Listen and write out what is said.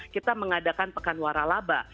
kita mengadakan pekan waralaba